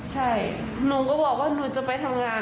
ใช่หนูก็บอกว่าหนูจะไปทำงาน